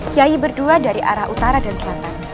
kiai berdua dari arah utara dan selatan